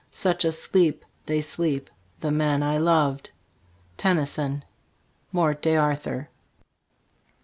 Such a sleep They sleep the men I loved. Tennyson :'' Morte d" 1 Arthur.